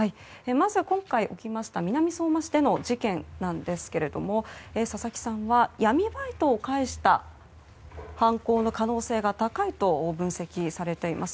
まずは今回起きました南相馬市での事件なんですけども佐々木さんは闇バイトを介した犯行の可能性が高いと分析されています。